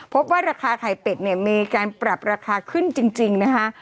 พบว่าราคาไข่เป็ดเนี่ยมีการปรับราคาขึ้นจริงนะคะ